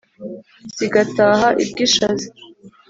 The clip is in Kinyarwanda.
zigataha i bwishaza,